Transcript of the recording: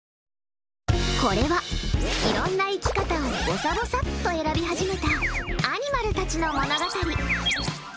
これは、いろんな生き方をぼさぼさっと選び始めたアニマルたちの物語。